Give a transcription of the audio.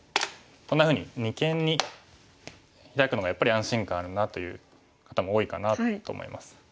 こんなふうに二間にヒラくのがやっぱり安心感あるなという方も多いかなと思います。